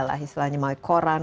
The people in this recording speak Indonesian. lah misalnya koran